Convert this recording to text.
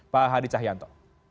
pak hadi cahyanto